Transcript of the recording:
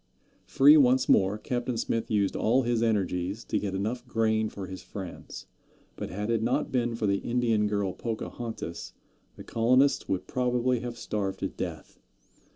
Free once more, Captain Smith used all his energies to get enough grain for his friends; but had it not been for the Indian girl Pocahontas the colonists would probably have starved to death.